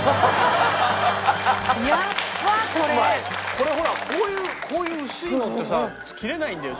これほらこういうこういう薄いのってさ切れないんだよ